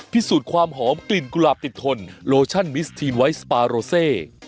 พิสูจน์ความหอมกลิ่นกุหลาบติดทนโลชั่นมิสทีนไวท์สปาโรเซ